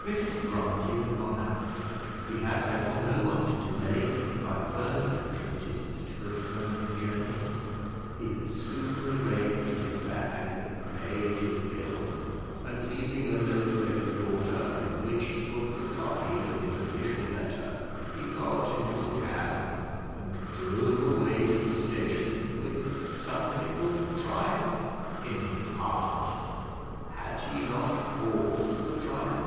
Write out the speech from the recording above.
Mrs Grantly had gone out; he had, therefore, no one to delay him by further entreaties to postpone his journey; he had soon arranged his bag, and paid his bill, and, leaving a note for his daughter, in which he put the copy of his official letter, he got into a cab and drove away to the station with something of triumph in his heart. Had he not cause for triumph?